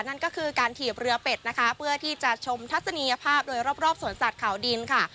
นั่นก็คือการถีบเรือเป็ดนะคะเพื่อที่จะชมทัศนียภาพโดยรอบรอบสวนสัตว์เขาดินค่ะ